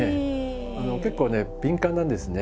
結構ね敏感なんですね。